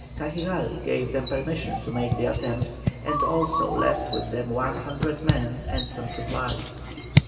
Cajigal gave them permission to make the attempt, and also left with them one hundred men and some supplies.